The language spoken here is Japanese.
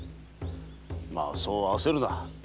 まぁそう焦るな。